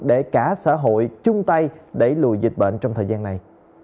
để cả xã hội chung tay đẩy lùi dịch bệnh trong thời gian này